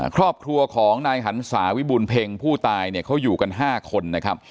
ครอบครัวของนายหันศาวิบูรเพ็งผู้ตายเนี่ยเขาอยู่กัน๕คนนะครับ